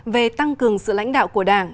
về tăng cường sự lãnh đạo của đảng